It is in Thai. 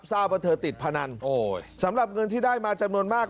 ทราบว่าเธอติดพนันสำหรับเงินที่ได้มาจำนวนมาก